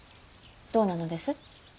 どうなのです。